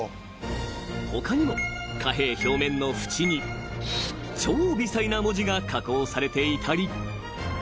［他にも貨幣表面の縁に超微細な文字が加工されていたり］